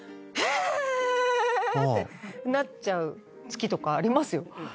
え⁉ってなっちゃう月とかありますよ。